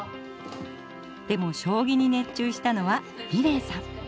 でも将棋に熱中したのは美礼さん。